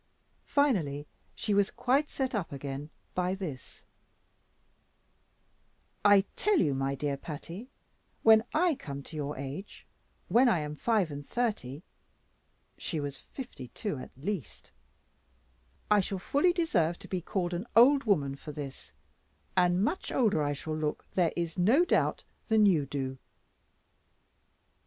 Finally she was quite set up again by this: "I tell you, my dear Patty, when I come to your age, when I am five and thirty" she was fifty two at least "I shall fully deserve to be called an old woman for this; and much older I shall look, there is no doubt, than you do."